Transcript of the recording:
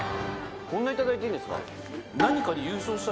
こんなに頂いていいんですか。